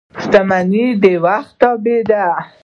• شتمني د وخت تابع ده.